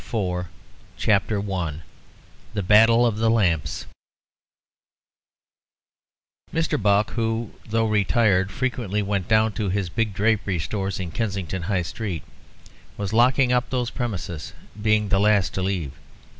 BOOK IV CHAPTER I The Battle of the Lamps Mr. Buck, who, though retired, frequently went down to his big drapery stores in Kensington High Street, was locking up those premises, being the last to leave.